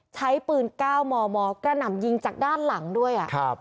ใช้ปืน๙มมกระหน่ำยิงจากด้านหลังด้วย